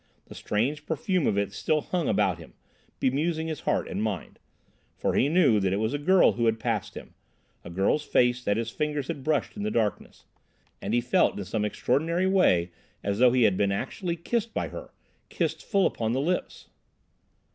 The strange perfume of it still hung about him, bemusing his heart and mind. For he knew that it was a girl who had passed him, a girl's face that his fingers had brushed in the darkness, and he felt in some extraordinary way as though he had been actually kissed by her, kissed full upon the lips.